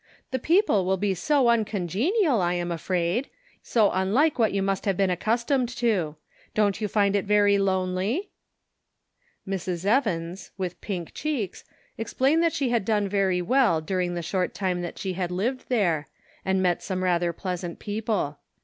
The people will be so uncongenial I am afraid ; so unlike what you must have been accustomed to. Don't you find it very lonely ?" Mrs. Evans, with pink cheeks, explained that she had done very well during the short time that she had lived there, and met some rather pleasant people.